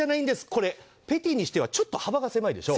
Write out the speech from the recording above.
これ、ペティにしてはちょっと幅が狭いでしょ。